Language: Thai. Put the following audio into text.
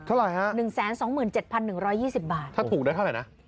เท่าไหร่ครับถูกได้เท่าไหร่นะ